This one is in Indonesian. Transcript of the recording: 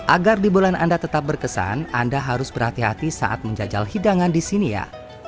agar di bulan anda tetap berkesan anda harus berhati hati saat menjajal hidangan di sini ya